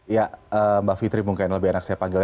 ya mbak fitri mungkin lebih enak saya panggilnya